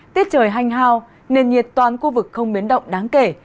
tiết trời hanh hao nền nhiệt toàn khu vực không biến động đáng kể